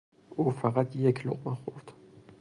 او فقط یک لقمه خورد.